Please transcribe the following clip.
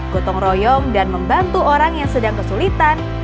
gotong royong dan membantu orang yang sedang kesulitan